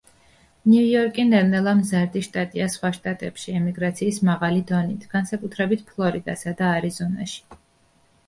ნიუ-იორკი ნელა მზარდი შტატია სხვა შტატებში ემიგრაციის მაღალი დონით, განსაკუთრებით ფლორიდასა და არიზონაში.